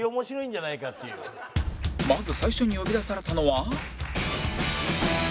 まず最初に呼び出されたのは